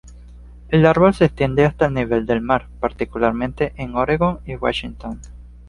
El árbol se extiende hasta el nivel del mar, particularmente en Oregón y Washington.